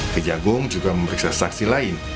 kejagung juga memeriksa saksi lain